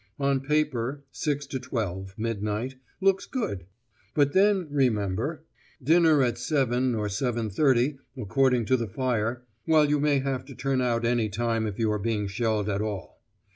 On paper 6 12 (midnight) looks good; but then, remember, dinner at 7.0 or 7.30 according to the fire, while you may have to turn out any time if you are being shelled at all.